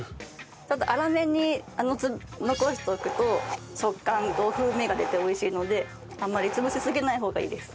ちょっと粗めに残しておくと食感と風味が出て美味しいのであんまり潰しすぎない方がいいです。